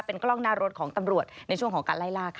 เป็นกล้องหน้ารถของตำรวจในช่วงของการไล่ล่าค่ะ